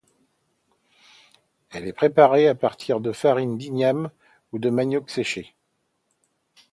Elle est préparée à partir de farine d'igname ou de manioc séchés.